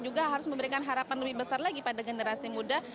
juga harus memberikan harapan lebih besar lagi pada generasi muda